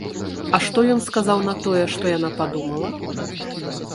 А што ён сказаў на тое, што яна падумала?